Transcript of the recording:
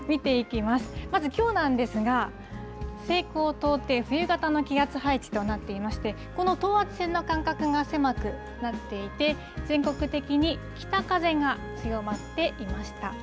まずきょうなんですが、西高東低、冬型の気圧配置となっていまして、この等圧線の間隔が狭くなっていて、全国的に北風が強まっていました。